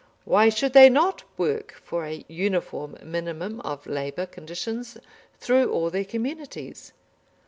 Why should they not work for a uniform minimum of labour conditions through all their communities?